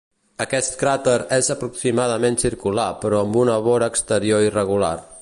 Aquest cràter és aproximadament circular però amb una vora exterior irregular.